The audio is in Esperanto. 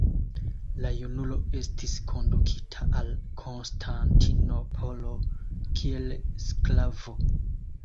La junulo estis kondukita al Konstantinopolo kiel sklavo.